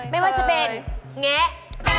ไม่ว่าจะเป็นแงะ